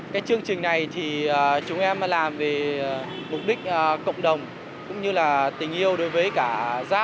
cái chương trình này thì chúng em làm về mục đích cộng đồng cũng như là tình yêu đối với cả gia đình